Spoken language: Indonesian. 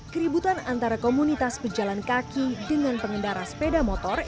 keributan antara komunitas pejalan kaki dengan pengendara sepeda motor